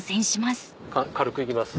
軽く行きます。